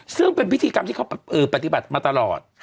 ซึ่งเป็นพิธีกรรมที่เขาปฏิบัติมาตลอด